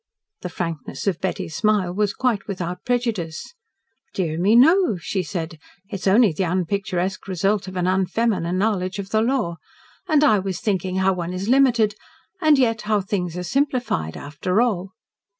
The frankness of Betty's smile was quite without prejudice. "Dear me, no," she said. "It is only the unpicturesque result of an unfeminine knowledge of the law. And I was thinking how one is limited and yet how things are simplified after all."